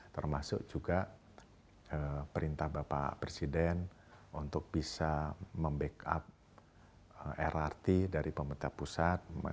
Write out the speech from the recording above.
termasuk juga perintah bapak presiden untuk bisa membackup lrt dari pemerintah pusat